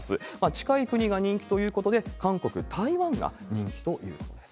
近い国が人気ということで、韓国、台湾が人気ということです。